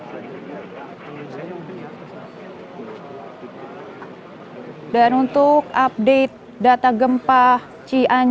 sebanyak dua ratus tujuh puluh satu orang meninggal dunia dan empat puluh orang dalam pencarian